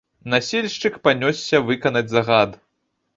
Насільшчык панёсся выканаць загад.